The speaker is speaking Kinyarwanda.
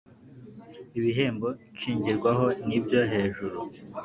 Ibihembo nshingirwaho n ibyo hejuru